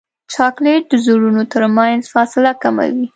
چاکلېټ د زړونو ترمنځ فاصله کموي.